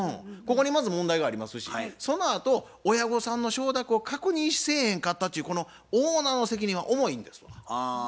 ここにまず問題がありますしそのあと親御さんの承諾を確認せえへんかったっちゅうこのオーナーの責任は重いんですわ。